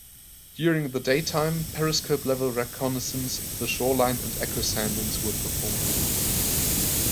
During the daytime, periscope-level reconnaissance of the shoreline and echo-soundings were performed.